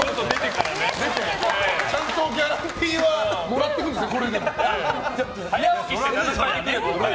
ちゃんとギャランティーはもらっていくんですね。